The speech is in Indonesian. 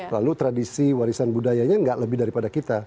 lalu tradisi warisan budayanya nggak lebih daripada kita